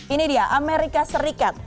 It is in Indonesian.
ini dia amerika serikat